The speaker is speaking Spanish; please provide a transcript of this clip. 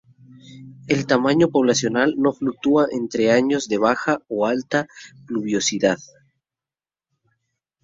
El tamaño poblacional no fluctúa entre años de baja o alta pluviosidad.